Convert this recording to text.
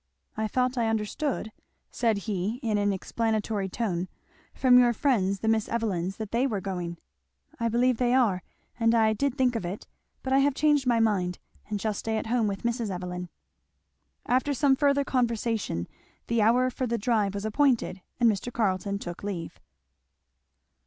"I thought I understood," said he in an explanatory tone, "from your friends the Miss Evelyns, that they were going." "I believe they are, and I did think of it; but I have changed my mind, and shall stay at home with Mrs. Evelyn." After some further conversation the hour for the drive was appointed, and Mr. Carleton took leave.